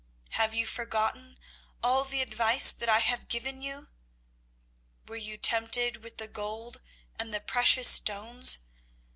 Have you forgotten all the advice that I have given you? Were you tempted with the gold and the precious stones?